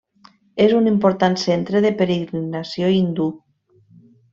És un important centre de peregrinació hindú.